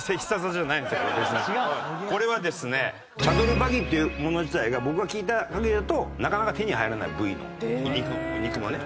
これはですねチャドルバギっていうもの自体が僕が聞いた限りだとなかなか手に入らない部位の肉のね。